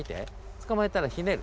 つかまえたらひねる。